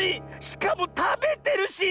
しかもたべてるし！